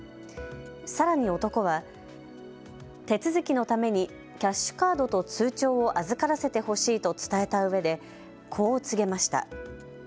さらに男は、手続きのためにキャッシュカードと通帳を預からせてほしいと伝えたうえでこう告げました。